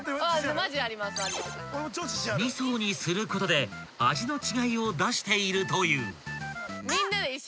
［２層にすることで味の違いを出しているという］